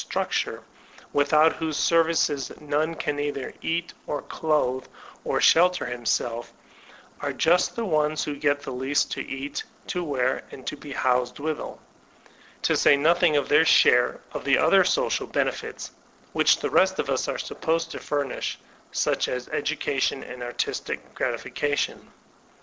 structure, without whose services none can either eat, or clothe, or shelter himself, are just the ones who get the least to eat, to wear, and to be housed withal — ^to say nothing of their share of the other social benefits which the rest of us are supposed to furnish, such as education and artistic gratifications.